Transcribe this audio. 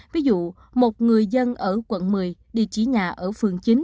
ví dụ một người dân ở quận một mươi địa chỉ nhà ở phường chín